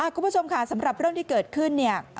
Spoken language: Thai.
คุณผู้ชมค่ะสำหรับเรื่องที่เกิดขึ้นเนี่ย